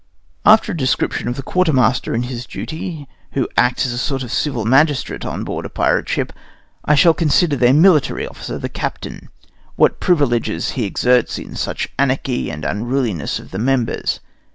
After a description of the quartermaster and his duty, who acts as a sort of civil magistrate on board a pirate ship, I shall consider their military officer, the captain; what privileges he exerts in such anarchy and unruliness of the members.